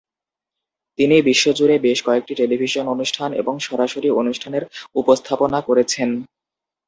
তিনি বিশ্বজুড়ে বেশ কয়েকটি টেলিভিশন অনুষ্ঠান এবং সরাসরি অনুষ্ঠানের উপস্থাপনা করেছেন।